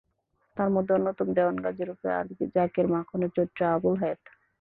তার মধ্যে অন্যতম দেওয়ান গাজী রূপে আলী যাকের, মাখনের চরিত্রে আবুল হায়াত।